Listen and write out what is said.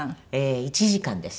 １時間です。